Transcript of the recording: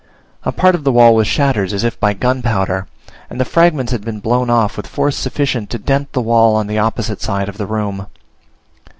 A part of the wall was shattered, as if by gunpowder, and the fragments had been blown off with force sufficient to dent the wall on the opposite side of the room.